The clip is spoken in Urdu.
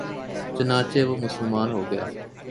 چنانچہ وہ مسلمان ہو گیا